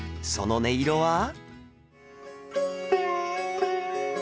その音色は